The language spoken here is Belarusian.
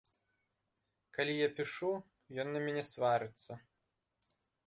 Калі я пішу, ён на мяне сварыцца.